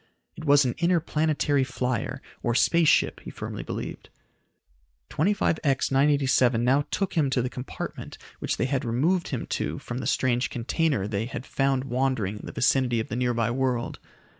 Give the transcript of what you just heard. It was an interplanetary flyer, or space ship, he firmly believed. 25X 987 now took him to the compartment which they had removed him to from the strange container they had found wandering in the vicinity of the nearby world.